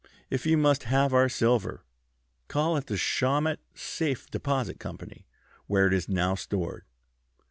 If you must have our silver, call at the Shawmut Safe Deposit Company, where it is now stored.'